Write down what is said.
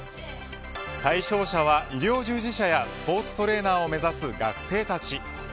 対象者は医療従事者やスポーツトレーナーを目指す学生たち。